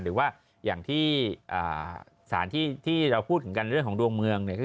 หรือว่าอย่างที่สารที่เราพูดถึงกันเรื่องของดวงเมืองเนี่ย